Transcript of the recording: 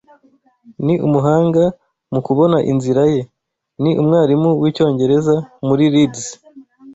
Ni umuhanga mu kubona inzira ye. Ni umwarimu wicyongereza muri Leeds.